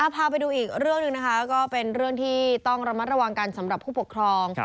พาไปดูอีกเรื่องหนึ่งนะคะก็เป็นเรื่องที่ต้องระมัดระวังกันสำหรับผู้ปกครอง